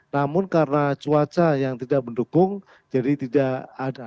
namun karena cuaca yang tidak mendukung jadi tidak ada